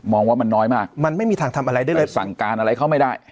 ว่ามันน้อยมากมันไม่มีทางทำอะไรได้เลยสั่งการอะไรเขาไม่ได้